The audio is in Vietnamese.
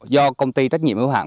do công ty trách nhiệm hữu hạn